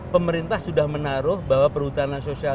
pemerintah sudah menaruh bahwa perhutanan sosial